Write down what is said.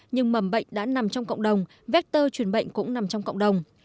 nhưng mầm bệnh đã nằm trong cộng đồng vector truyền bệnh cũng nằm trong cộng đồng